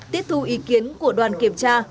tiết thu ý kiến của đoàn kiểm tra